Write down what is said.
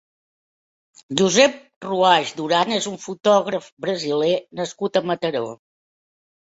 Josep Ruaix Duran és un fotògraf brasiler nascut a Mataró.